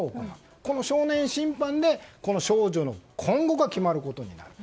この少年審判でこの少女の今後が決まることになる。